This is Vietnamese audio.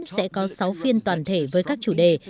sẽ có sáu phiên toàn thể với các chủ đề